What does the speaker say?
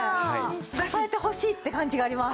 支えてほしいって感じがあります。